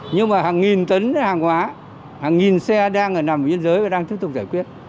nhưng mà hàng nghìn tấn hàng hóa hàng nghìn xe đang ở nằm biên giới và đang tiếp tục giải quyết